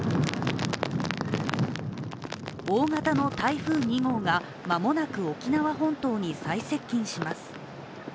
大型の台風２号が間もなく沖縄本島に最接近します。